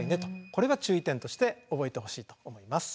これは注意点として覚えてほしいと思います。